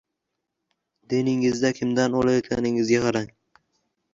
Diningizni kimdan olayotganingizga qarang.